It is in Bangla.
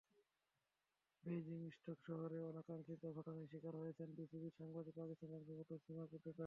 বেইজিংস্টোক শহরে অনাকাঙ্ক্ষিত ঘটনার শিকার হয়েছেন বিবিসির সাংবাদিক পাকিস্তানি বংশোদ্ভূত সিমা কোটেচা।